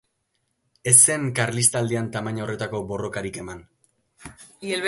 Ez zen Karlistaldian tamaina horretako beste borrokarik eman.